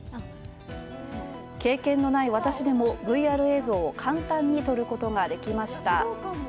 経験のない私でも、ＶＲ映像を簡単に撮ることができました。